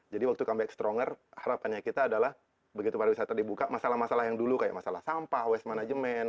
jadi waktu comeback stronger harapannya kita adalah begitu pariwisata dibuka masalah masalah yang dulu kayak masalah sampah waste management